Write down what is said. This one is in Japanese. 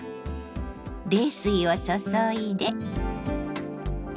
冷水を注いで。